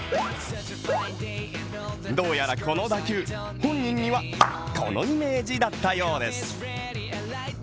どうやらこの打球、本人にはこのイメージだったようです。